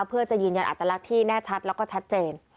เพื่อจะยืนยันอัตลักษณ์ที่แน่ชัดแล้วก็ชัดเจน